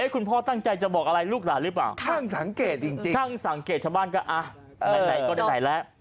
คุณพ่อตั้งใจจะบอกอะไรลูกหลานหรือเปล่าทั้งสังเกตชาวบ้านก็อ่ะไหนไหนก็ไหนแล้ว